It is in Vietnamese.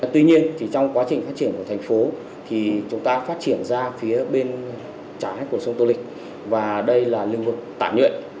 tuy nhiên trong quá trình phát triển của thành phố thì chúng ta phát triển ra phía bên trái của sông tô lịch và đây là lưu vực tạm nhuệ